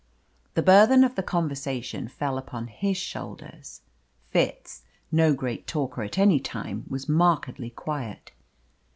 The burthen of the conversation fell upon his shoulders. Fitz, no great talker at any time, was markedly quiet.